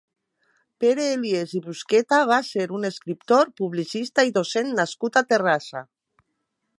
Pere Elies i Busqueta va ser un escriptor, publicista i docent nascut a Terrassa.